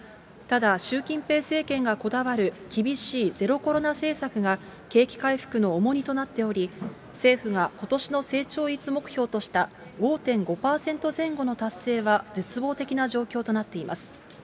ただ、習近平政権がこだわる厳しいゼロコロナ政策が、景気回復の重荷となっており、政府がことしの成長率目標とした５．５％前後の達成は絶望的な状況となっています。